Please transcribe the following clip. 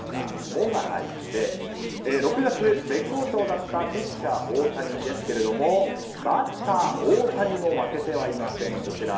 「モ」が入って６月、絶好調だったピッチャー大谷ですがバッター大谷も負けてはいません。